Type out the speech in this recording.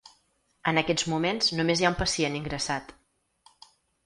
En aquests moments només hi ha un pacient ingressat.